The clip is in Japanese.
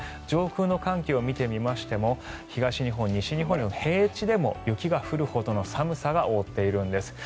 上空の寒気を見てみましても東日本、西日本を平地でも雪が降るほどの寒さが覆っているんです。